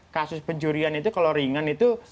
kasus pencurian itu kalau ringan itu